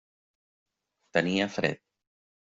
Tenia fred.